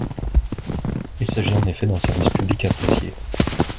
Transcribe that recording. Il s’agit en effet d’un service public apprécié.